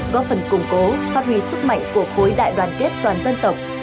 góp phần củng cố phát huy sức mạnh của khối đại đoàn kết toàn dân tộc